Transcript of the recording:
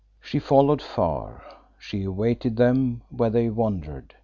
"She followed far; she awaited them where they wandered.